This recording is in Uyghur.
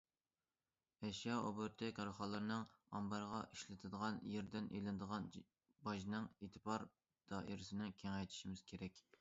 ئەشيا ئوبوروتى كارخانىلىرىنىڭ ئامبارغا ئىشلىتىدىغان يېرىدىن ئېلىنىدىغان باجنىڭ ئېتىبار دائىرىسىنى كېڭەيتىشىمىز كېرەك.